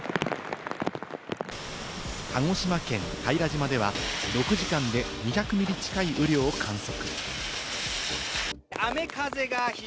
鹿児島県平島では６時間で２００ミリ近い雨量を観測。